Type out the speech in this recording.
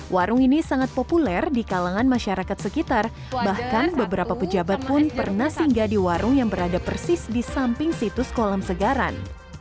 warung ini sangat populer di kalangan masyarakat sekitar bahkan beberapa pejabat pun pernah singgah di warung yang berada persis di samping situs kolam segaran